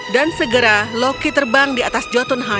dan segera loki terbang di atas jotunhal